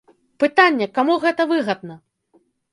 Пытанне, каму гэта выгадна?